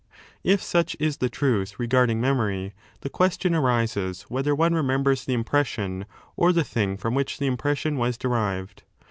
If such is the truth regarding memory, the question arises whether one remembers the impression or the thing from which the impression was derived.